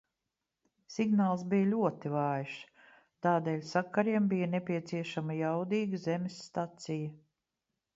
Signāls bija ļoti vājš, tādēļ sakariem bija nepieciešama jaudīga zemes stacija.